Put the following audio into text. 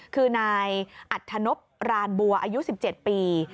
คือนายอัธนพรานบัวอายุ๑๗ปี